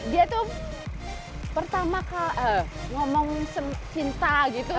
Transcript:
dia tuh pertama kali ngomong cinta gitu